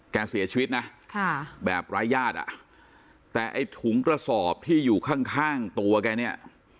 เสียชีวิตนะค่ะแบบรายญาติอ่ะแต่ไอ้ถุงกระสอบที่อยู่ข้างข้างตัวแกเนี่ย